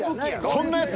そんなやつ